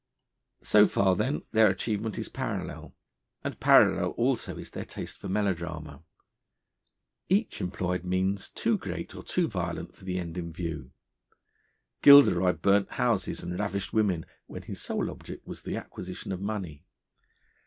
So far, then, their achievement is parallel. And parallel also is their taste for melodrama. Each employed means too great or too violent for the end in view. Gilderoy burnt houses and ravished women, when his sole object was the acquisition of money.